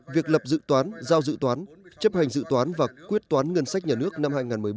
việc lập dự toán giao dự toán chấp hành dự toán và quyết toán ngân sách nhà nước năm hai nghìn một mươi bốn